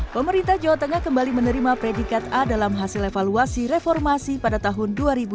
pemerintah jawa tengah kembali menerima predikat a dalam hasil evaluasi reformasi pada tahun dua ribu dua puluh